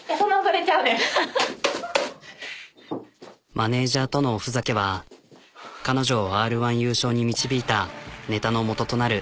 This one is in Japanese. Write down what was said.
マネジャーとのおふざけは彼女をＲ−１優勝に導いたネタの基となる。